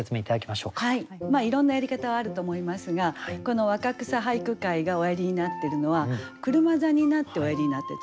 まあいろんなやり方はあると思いますがこの若草俳句会がおやりになっているのは車座になっておやりになってる。